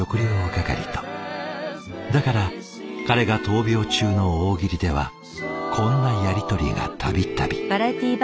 だから彼が闘病中の大喜利ではこんなやり取りが度々。